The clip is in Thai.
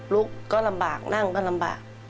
ก็ลำบากนั่งก็ลำบาก